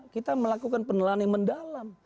kita melakukan penelan yang mendalam